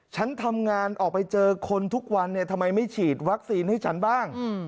ฉันทำงานออกไปเจอคนทุกวันเนี่ยทำไมไม่ฉีดวัคซีนให้ฉันบ้าง